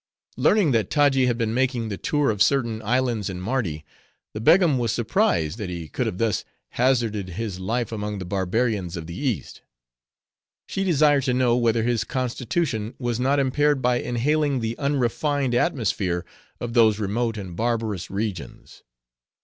Learning that Taji had been making the tour of certain islands in Mardi, the Begum was surprised that he could have thus hazarded his life among the barbarians of the East. She desired to know whether his constitution was not impaired by inhaling the unrefined atmosphere of those remote and barbarous regions.